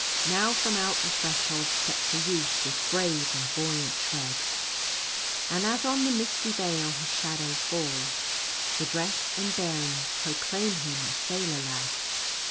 Now from out the Threshold steps a Youth with brave and buoyant tread ; and as on the misty veil his shadow falls, the dress and bearing proclaim him a sailor lad.